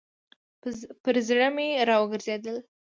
پر زړه مي راوګرځېدل .